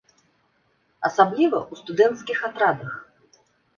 Асабліва ў студэнцкіх атрадах.